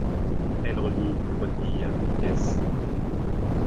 Elle relie Murony à Békés.